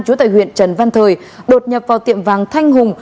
trú tại huyện trần văn thời đột nhập vào tiệm vàng thanh hùng